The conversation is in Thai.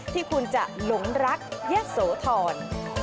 ที่คุณจะหลงรักยะโสธร